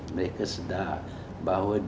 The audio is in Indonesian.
mereka sedar bahwa